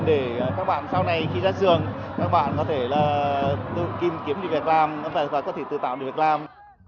để các bạn sau này khi ra trường các bạn có thể là tự tìm kiếm được việc làm và có thể tự tạo được việc làm